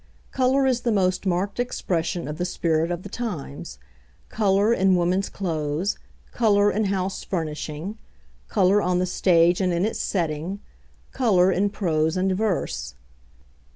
Colour is the most marked expression of the spirit of the times; colour in woman's clothes; colour in house furnishing; colour on the stage and in its setting; colour in prose and verse.